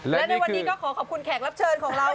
และในวันนี้ก็ขอขอบคุณแขกรับเชิญของเรา